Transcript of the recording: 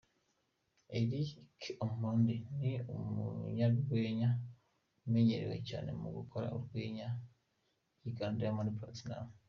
Eric Omondi ni umunyarwenya umenyerewe cyane mu gukora urwenya yigana Diamond Platnmuz .